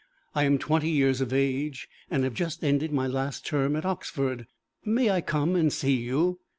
I am twenty years of age, and have just ended my last term at Oxford. May I come and see you?